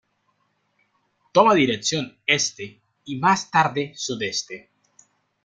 Toma dirección este y más tarde sudeste.